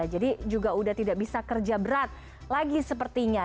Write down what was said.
jadi juga udah tidak bisa kerja berat lagi sepertinya